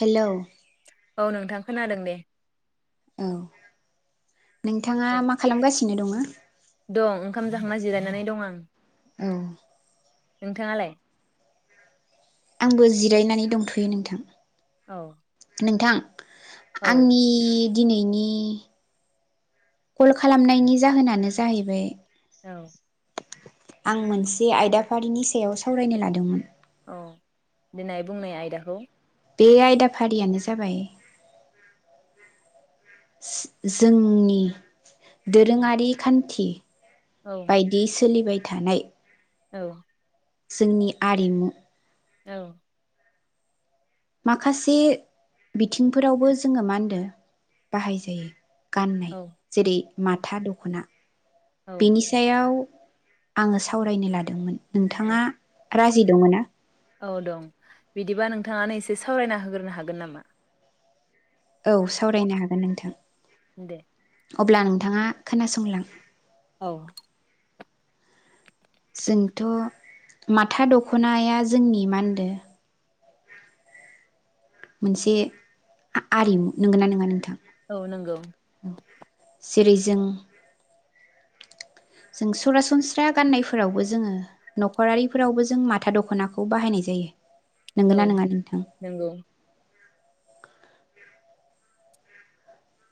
Hello औ नोंथां खोनादों दे औ। नोंथाङा मा खालामगासिनो दङो [inaudible] दं ओंखाम जाहांना जिरायनानै दं आं। औ। नोंथाङालाय? आंबो जिरायनानै दंथ'यो नोंथां औ नोंथां। औ आंनि दिनैनि कल खालामनायनि जाहोनानो जाहैबाय औ आं मोनसे आयदाफारिनि सायाव सावरायनो लादोंमोन। अ दिनै बुंनाय आयदाखौ बे आयदाफारियानो जाबाय जोंनि औ दोरोङारि खान्थि औ बायदि सोलिबाय थानाय औ जोंनि आरिमु औ माखासे बिथिंफोरावबो जोङो मा होनदो बाहाय जायो गाननाय औ जेरै माथा दखना औ बिनि सायाव। आङो सावरायनो लादोंमोन। नोंथाङा राजि दंङना? औ दं बिदिबा नोंथाङानो एसे सावरायना होगोरनो हागोन नामा? औ सावरायनो हागोन नोंथां। दे। अब्ला नोंथाङा खोनासंलां औ। जोंथ माथा दखनाया जोंनि मा होनदो मोनसे आरिमु नोंगोना नोङा नोंथां? औ नंगौ। जेरै जों जों सरासनस्रा गाननायफोरावबो जोङो नखरारिफोरावबो जों माथा दख'नाखौ बाहायनाय जायो। औ नोंगोना नोङा नोंथां? नंगौ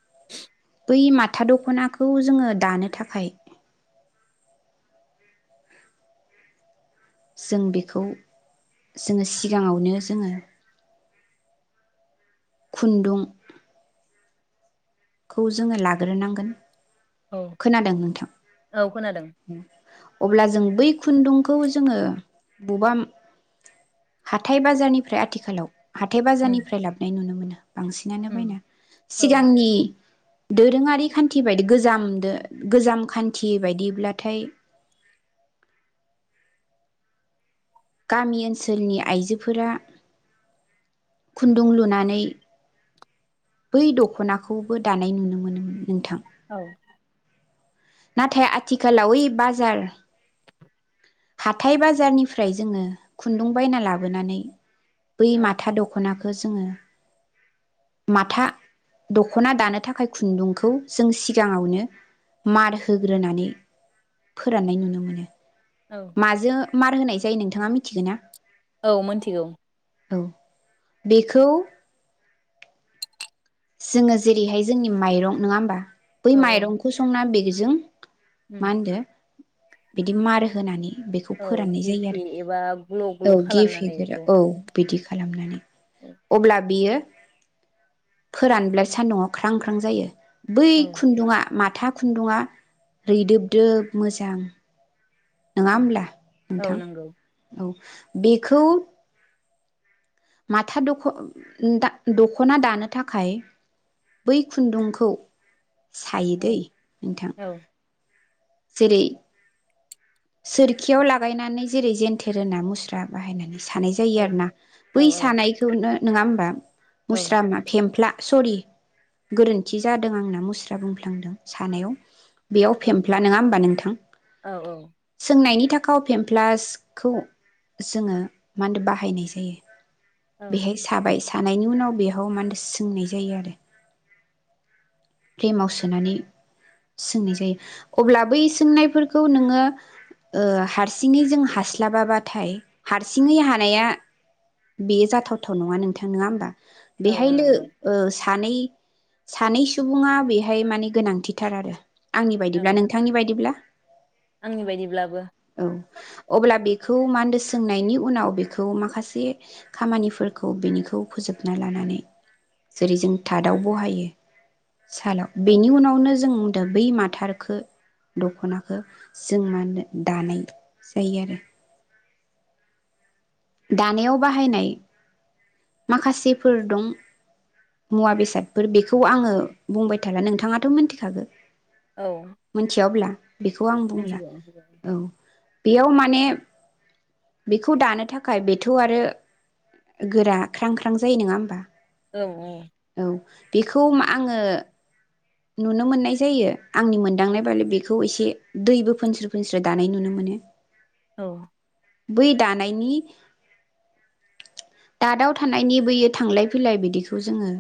[inaudible] बै माथा दखनाखौ जोङो दानो थाखाय जों बेखौ जोंङो सिगाङावनो जोंङो खुन्दुं खौ जोङो लाग्रोनांगोन औ खोनादों नोंथां औ खोनादों अब्ला जों बै खुन्दुंखौ जोङो बबेबा हाथाय बाजारनिफ्राय आथिखालाव हाथाय उम बाजारनिफ्राय लाबोनाय नुनो मोनो। बांसिनानो उम बायना औ सिगांनि दोरोङारि खान्थि बायदि गोजामदो गोजाम खान्थि बायदिब्लाथाय गामि ओनसोलनि आइजोफोरा खुन्दुं लुनानै बै दखनाखौ। खौबो दानाय नुनो मोनोमोन। नोंथां औ नाथाय आथिखालाव ओइ बाजार हाथाय बाजारनिफ्राय जोङो खुन्दुं बायना लाबोनानै बै औ माथा दख'नाखो बो जोङो माथा दखना दानो थाखाय खुन्दुंखौ जों सिगाङावनो मार होग्रोनानै फोराननाय नुनो मोनो। औ माजों मार होनाय जायो नोंथाङा मिथिगोना? औ मोनथिगौ। औ बिखौ जोङो जेरैहाय जोंनि माइरं नङा होमबा। बै औ औ माइरंखौ संना बि जों उम मा होनदो? बिदि मार होनानै बेखौ औ फोराननाय जायो आरो गेफे एबा ग्ल औ ग्ल गेफे खालामनानै गोरा अ औ बिदि खालामनानै अब्ला बियो फोरानब्ला सान्दुुंआव ख्रां ख्रां जायो बै औ खुन्दुङा माथ माथा खुन्दुङा रैदोब दोब मोजां। नङा होमब्ला औ नोंथां नंगौ औ बिखौ माथा दख दखना दानो थाखाय बै खुन्दुंखौ सायो दै औ नोंथां औ जेरै सोरखियाव लागायनानै जेरै जेनथेर होना मुस्रा बाहायनानै सानाय औ जायो आरो ना औ बै सानायखौनो नङा होमबा औ मुस्रा मा फेमफ्ला सरि गोरोन्थि जादों आंना मुस्रा बुंफ्लांदों सानायाव बेयाव फेमफ्ला नङा होमबा नोंथां औ सोंनायनि थाखाय पेमप्लासखौ जोङो मा होनदो बाहायनाय औ जायो बेहाय साबाय सानायनि उनाव बेयाव मा होनो सोंनाय जायो आरो फेमाव सोनानै सोंनाय जायो अब्ला बै सोंनायफोरखौ नोङो हारसिङै जों हास्लाबाबाथाय हारसिङै हानाया बे जाथावथाव नङा नोंथां नङा होमबा औ बेहायलो नंगौ ओ सानै सानै सु सुबुङा बेहाय माने गोनांथिथार आरो आंनि औ बायदिब्ला नोंथांनि बायदिब्ला आंनि बायदिब्लाबो औ अब्ला बेखौ मानदो सोंनायनि उनाव बेखौ माखासे खामानिफोरखौ बेनिखौ फोजोबना लानानै जेरै जों थादआव बहायो सालाव औ बेनि उनावनो जों दा बै माथारखौ दखनाखौ जोंहा होनो दानाय जायो आरो दानायाव बाहायनाय माखासेफोर दं मुवा बेसादफोर बेखौ आङो बुंबाय थाला नोंथाङाथ मिथिखागो औ मोनथिया अब्ला बेखौ आं बुंला मिथिगौ औ औ बेयाव माने बेखौ दानो थाखाय बेथौ आरो गोरा ख्रां ख्रां जायो नोङा होमबा? औ औ। बेखौ मा आङो नुनो मोननाय जायो आंनि मोनदांनाय [unintelligible] बेखौ एसे दैबो फोनस्रो फोनस्रो दानाय नुनो मोनो। औ। बै दानायनि थादाव थानायनि बोयो थांलाय फैलाय बिदिखौ जोङो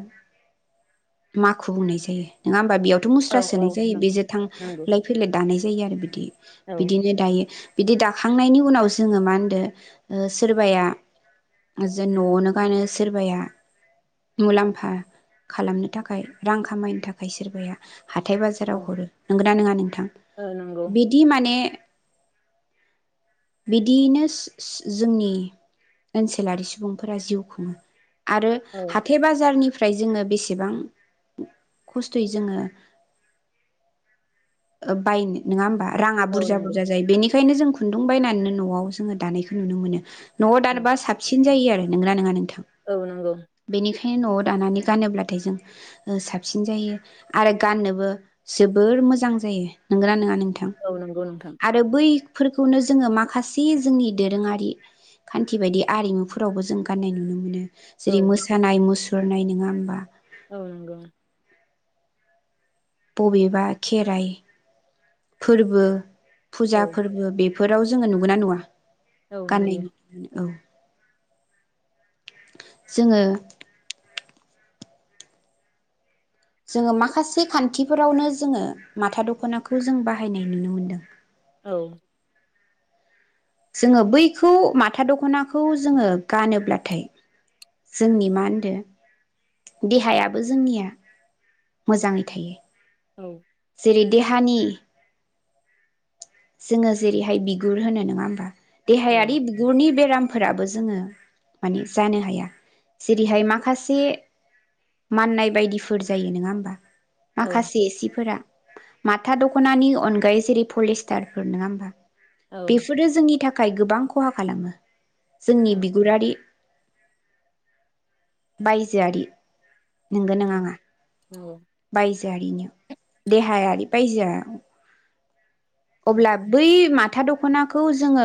माखु बुंनाय जायो नङा होमबा बेयाव औ मुस्रा औ सोनाय जायो बेजों नंगौ थांलाय फैलाय दानाय जा जायो आरो बिदि औ बिदि बिदि दाखांनायनि उनाव जोङो मा होनदो सोरबाया ओ सोरबाया जों नआवनो गानो सोरबाया मुलाम्फा खालामनो थाखाय रां खामायनो थाखाय सोरबाया हाथाय औ बाजाराव हरो नोंगोना नोंङा थां औ नंगौ बिदि माने बिदियैनो जोंनि ओनसोलारि सुबुंफोरा जिउ खुङो। आरो औ हाथाय बाजारनि निफ्राय जोङो बेसेबां खस्थयै जोङो बायनो नङा होमबा राङा औ बुरजा नंगौ बुरजा जायो बेनि बेखायनो जों खुन्दुं बायनानैनो नआव जोङो दानायखौ नुनो मोनो। नआव औ दानबा साबसिन जायो आ नोंगोना नोंङा नोंथां। औ नंगौ। ओंखायनो नआव दानानै गानोब्लाथाय जों साबसिन जायो आरो गाननोबो जोबोर मोजां जायो नंगोना नोंथां? थां औ नंगौ नोंथां आरो बै फोरखौनो जोङो माखासे जोंनि दोरोङारि खान्थि बायदि आरिमुफोरावबो जों गाननाय नुनो मोनो। औ जेरै मोसानाय मुसु सर नायनोङाब। औ नगौ। बबेबा खेराइ फोरबो। औ फुजा फोरबो बे बेफोराव जोङो नुगोन ना नुआ। औ गानै नुयो औ जोङो जोङो माखासे खान्थिफोरावनो जोङो माथा दखनाखौ जों बाहायनाय नुनो मोनदों। औ जोङो बैखौ माथा दखनाखौ जोङो गानोब्लाथाय जोंनि मा होनदो देहायाबो जोंनिया मोजाङै थायो। औ जेरै देहानि जोङो जेरैहाय बिगुर होनो नङा होमबा देहायारि बिगुरनि बे बेरामफोराबो जोङो माने जानो हाया जेरैहाय माखासे माननाय बायदिफोर जायो नङा होमबा औ माखासे ए सिफोरा माथा दखनानि अनगायै जेरै फलेस टारफोर नङा होमबा बेफोरो जोंनि थाख थाखाय गोबां खहा खालामो जोंनि औ बिगुरारि बायजो आरि नोंगौ ना नङा नंगौ बायजो देहारिनो देहायारि बायजोआ अब्ला बै मा था दखनाखौ जोङो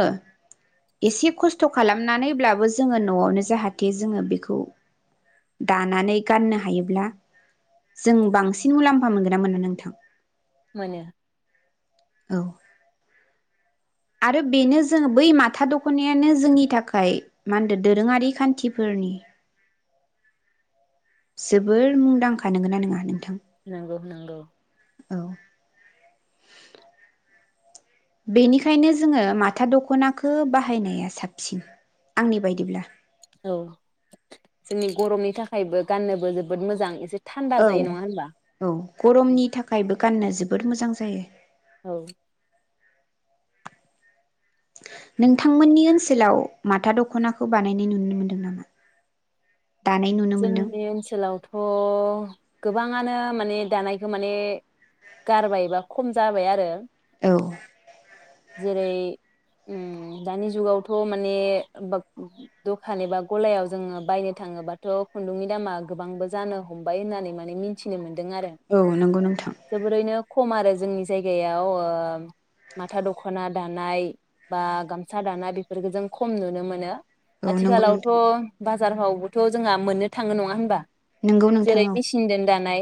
एसे खस्थ खालामनानैब्लाबो जोङो नआवनो जाहाथे जोङो बेखौ दानानै गाननो हायोब्ला जों बांसिन मुलाम्फा मोनगोन ना मोना नोंथां। मोनो औ आरो बेनो जों बै माथा द'खनायानो जोंनि थाखाय मा होनदों दोरोङारि खान्थिफोरनि जोबोर मुंदांखा नोंगोना नोंङा? नों नंगौ नंगौ औ बेनिखायनो जोङो माथा दख'नाखौ बाहायनाया साबसिन आंनि बायदिब्ला औ जोंनि गरमनि थाखायबो गाननोबो जोबोद मोजां एसे थान्दा औ जायो नङा होनबा औ गरमनि थाखायबो गाननो जोबोर मोजां जायो औ नोंथांमोननि ओनसोलाव माथा दखनाखौ बानायनाय नुनो मोनदों नामा? दानाय नुनो मोनदों जोंनि ओन्सोलावथ अ गोबाङानो माने दानायखौ माने गारबायबा खम जाबाय आरो औ जेरै उम दानि जुगावथ माने बाग दखान एबा गलायाव जोङो बायनो थाङोबा थ खुन्दुंनि दामा गोबांबो जानो हमबाय होननानै माने मिथिनो मोनो। दों आरो औ नंगौ नोंथां जोबोरैनो खम आरो जोंनि जायगायाव ओ माथा दखना दानाय बा गामसा दानाय बेफोरफोरखौ जों खम नुनो मोनो। औ नंगौ आथिखालावथ नोंथां बाज [unintelligible] बोथ जोंहा मोननो थाङो नङा होनबा। नंगौ नोंथां जेरै औ मेसिनजों दानाय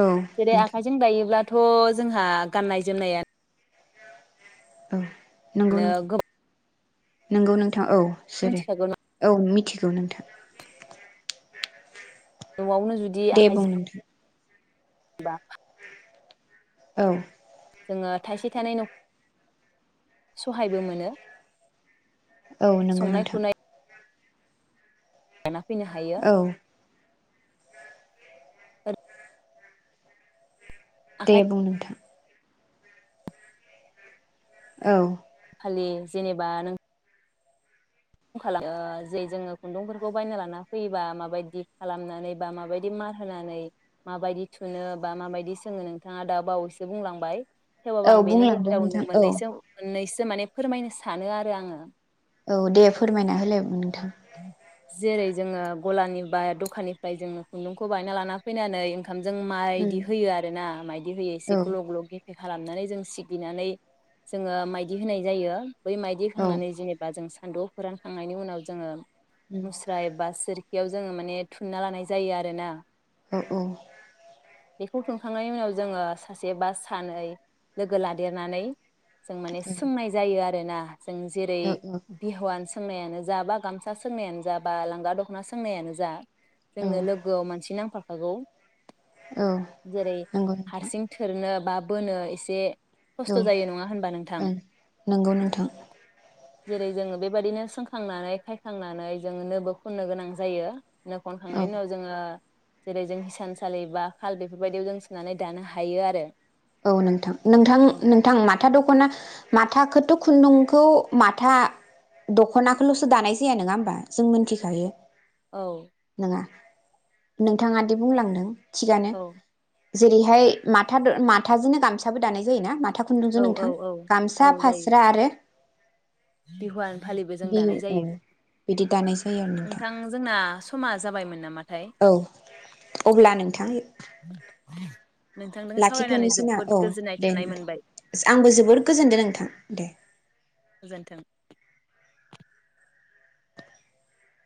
औ जेरै नोंथां आखायजों दायोब्ला दाथ जोंहा गाननाय जोमनायानो औ नोंगौ नोथां नोंगौ नों थां औ गोबां सेरो मिथिखागौ औ मित मिथिगौ नोंथां नआवनो जुदि दे बुं आखाइजों नोंथां बा औ जोङो थाइसे थाइनै न सहायबो मोनो औ नंगौ संनाय नोंथां खुरनाय लाना फैनो हायो औ दे आखाइ बुंनोथां औ खालि जेनेबा नों खालामो ओ जे जोङो खुन्दुंफोरखौ बायना लाना फैयोबा माबायदि खालामनानै बा माबायदि मार होनानै माबायदि थुनो बा माबायदि सोङो नोंथाङा दा बावैसो बुंलांबाय औ थेवबाबो आं बेनि बुंलांदो गेजेरावनो नोंथां औ मोननैसो मोननैस आं माने फोरमायनो सानो आरो आङो औ दे फोरमायना हो लेम नोंथां जेरै जोङो गलानि बा दखाननिफ्राय जोङो खुन्दुंखौ बायना लाना फैनानै ओंखाम जों उम मायदि होयो आरो ना मायदि होयो औ एसे ग्ल ग्ल गेफे खालामनानै जों सिग्लिनानै जोङो माइदि होनाय जायो। बै माइदि औ होखांनानै जेनेबा जों सा सान्दुङाव फोरानखांनायनि उनाव जोङो उम मुस्रा एबा सोर बेयाव जोङो माने थुनना लानाय जायो आरो ना? अ औ बेखौ थुनखांनायनि उनाव जोङो सासे बा सानै लोगो लादेरनानै जों माने सोंनाय जायो आर [unintelligible] जों जेरै औ औ बिहुवान सो सोंनायानोज जाबा गामसा सोंनायानो जाबा लांगा दखना सोंनायानो जा औ जोंनो लोगोआव मानसि नांफा फागौ औ जेरै नंगौ नोंथां हारसिं थोरनो बा बोनो एसे औ खस्थ' जायो नङा होनबा नोंथां? ओं नंगौ नोंथां जेरै जोङो बेबायदिनो सों खांनानै खायखांनानै जोङ नोबो खन्नो गोनां जायो। नो औ खनखांनायनि उनाव जोंङो जेरै जों हिसानसालि बा खाल बेफोरबायदियाव जों सोनानै दानो हायो आरो। औ नोंथां नोंथां औ नोंथां माथा दख'ना माथ माथाखोथ खुन्दुंखौ माथा दखनाखोलसो दानाय जाया नङा होमबा जों मोनथिखायो। औ नोङा। नोंथाङादि बुंलांदों थिगानो। जेरैहाय माथा [unintelligible] थाजोनो गामसाबो दानाय जायोना माथ था औ खुन्दुंजों औ नोंथां औ गामसा औ जायो फास्रा आरो बिहुवान फालिबो जों बिहु दानाय औ जायो। बिदि दानायस नोंथां जोंना समा जाबायमोन नामा? औ अब्ला नोंथां नोंथांजों सावरायनानै लाखिथ'नोसैना जोबोद औ गोजोननाय दे थानाय मोनबाय आंबो जबोद गोजोनदों नोंथां दे। गोजोन्थों।